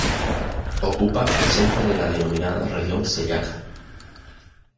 Ocupa el centro de la denominada región celíaca.